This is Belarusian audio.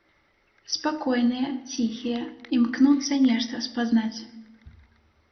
Спакойныя, ціхія, імкнуцца нешта спазнаць.